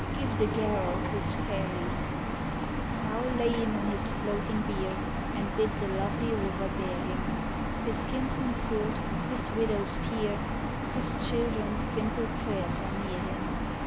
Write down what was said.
Give the Garalth his ferry !" Now lay him on his floating bier And bid the lovely river bear him. His kinsman's sword, his widow's tear, His children's simple prayers are near him.